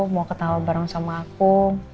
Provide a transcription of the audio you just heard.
mau ketahu bareng sama aku